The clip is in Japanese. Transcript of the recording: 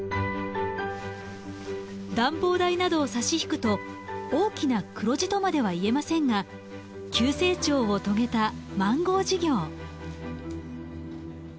暖房代などを差し引くと大きな黒字とまでは言えませんが急成長を遂げたマンゴー事業。